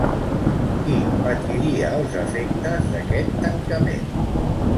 Qui patiria els efectes d'aquest tancament?